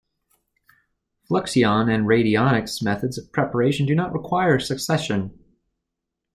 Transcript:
Fluxion and radionics methods of preparation do not require succussion.